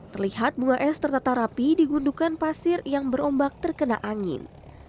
terlihat bunga es tertata rapi di gundukan pasir yang berombak terkena angin